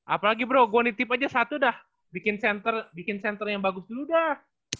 apalagi bro gua nitip aja satu dah bikin center yang bagus dulu dah